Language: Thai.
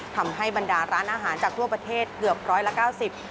ทำให้บรรดาร้านอาหารจากทั่วประเทศเกือบ๑๙๐บาท